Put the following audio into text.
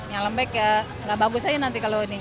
yang lembek ya nggak bagus aja nanti kalau ini